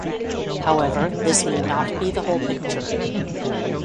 However, this may not be the whole picture.